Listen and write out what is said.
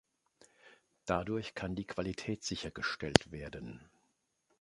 Dadurch kann die Qualität sichergestellt werden.